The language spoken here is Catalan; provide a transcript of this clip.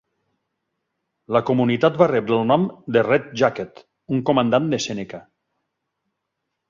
La comunitat va rebre el nom de Red Jacket, un comandant de Sèneca.